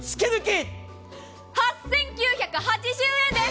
８９８０円です。